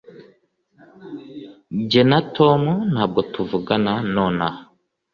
Jye na Tom ntabwo tuvugana nonaha